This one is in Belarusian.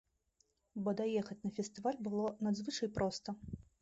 Бо даехаць на фестываль было надзвычай проста.